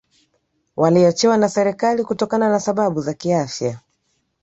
waliachiwa na serikali kutokana sababu za kiafya